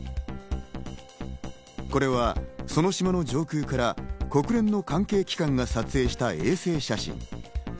これはその島の上空から国連の関係機関が撮影した衛星写真。